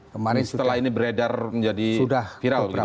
kemarin setelah ini beredar menjadi viral gitu ya